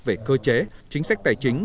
về cơ chế chính sách tài chính